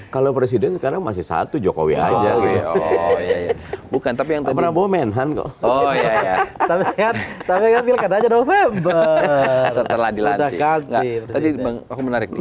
kalau presiden karena masih satu jokowi aja bukan tapi yang terlalu menhanco oh ya